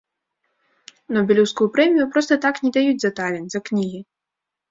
Нобелеўскую прэмію проста так не даюць за талент, за кнігі.